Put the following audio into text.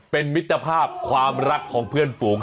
เป็นมิตรภาพความรักของเพื่อนฝูง